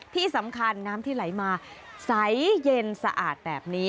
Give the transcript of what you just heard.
ที่สำคัญน้ำที่ไหลมาใสเย็นสะอาดแบบนี้